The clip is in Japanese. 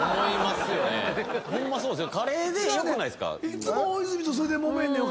いつも大泉とそれでもめんねん。